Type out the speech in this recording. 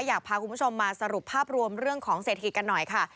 อยากพาคุณผู้ชมมาสรุปภาพรวมเรื่องของเศรษฐกิจกันหน่อยค่ะ